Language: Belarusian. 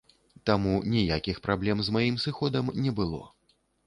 Таму ніякіх праблем з маім сыходам не было.